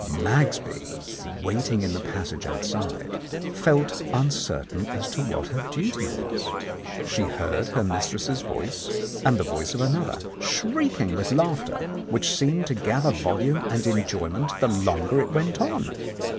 Magsby, waiting in the passage outside, felt un certain as to what her duty was. She heard her mis tress's voice and the voice of another, shrieking with laughter, which seemed to gather volume and enjoy ment the longer it went on.